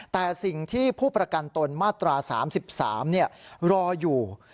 แต่สิ่งที่ผู้ประกันตนมาตรา๓๓รออยู่